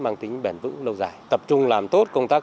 mang tính bền vững lâu dài